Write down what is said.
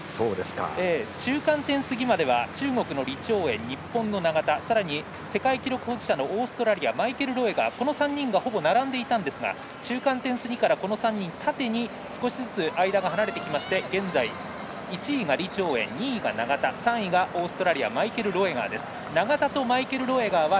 中間点過ぎまでは中国の李朝燕日本の永田世界記録保持者のオーストラリアマイケル・ロエガーこの３人が並んでいたんですが中間点過ぎから３人縦に間が離れてきて現在１位が李朝燕２位が永田３位がオーストラリアマイケル・ロエガーです。